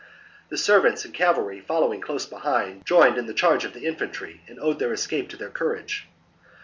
The servants and cavalry, following close behind, joined in the charge of the infantry and owed their escape to their courage.